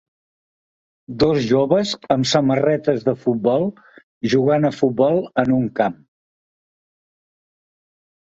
Dos joves amb samarretes de futbol, jugant a futbol en un camp.